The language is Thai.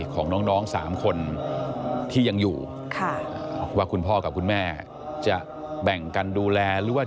ของน้องสามคนที่ยังอยู่ค่ะว่าคุณพ่อกับคุณแม่จะแบ่งกันดูแลหรือว่า